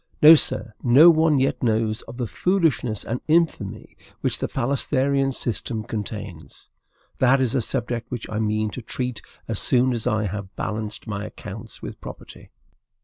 No, sir; no one yet knows of the foolishness and infamy which the phalansterian system contains. That is a subject which I mean to treat as soon as I have balanced my accounts with property.